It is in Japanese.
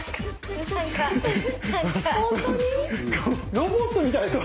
ロボットみたい！